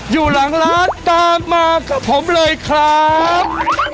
อยู่หลังร้านตามมากับผมเลยครับ